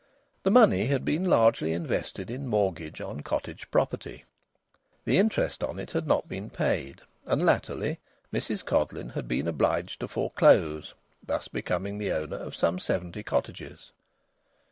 The money had been largely invested in mortgage on cottage property; the interest on it had not been paid, and latterly Mrs Codleyn had been obliged to foreclose, thus becoming the owner of some seventy cottages.